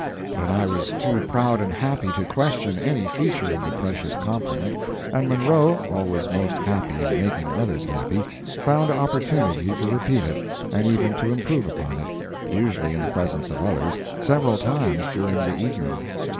But I was too proud and happy to question any feature of the precious compliment, and Munro always most happy in making others happy found opportunity to repeat it, and even to improve upon it usually in the presence of others several times during the evening.